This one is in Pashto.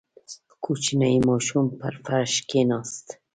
• کوچنی ماشوم پر فرش کښېناست.